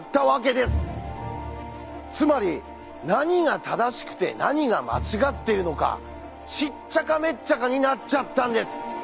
つまり何が正しくて何が間違っているのかしっちゃかめっちゃかになっちゃったんです！